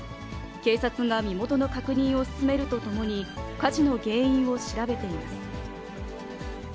警察が身元の確認を進めるとともに、火事の原因を調べています。